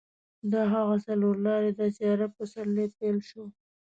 دا هغه څلور لارې ده چې عرب پسرلی پیل شو.